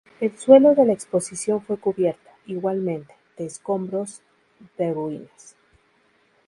El suelo de la exposición fue cubierto, igualmente, de escombros de ruinas.